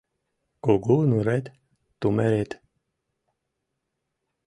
Кугу нурет - тумерет